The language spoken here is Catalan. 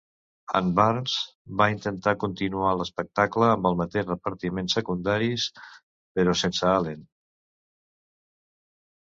En Burns va intentar continuar l'espectacle amb el mateix repartiment secundaris però sense Allen.